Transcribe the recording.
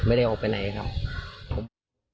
ไม่ได้ออกไปไหนครับ